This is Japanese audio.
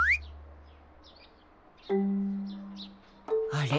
あれ？